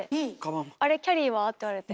「あれキャリーは？」って言われて